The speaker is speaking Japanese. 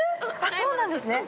そうなんですね。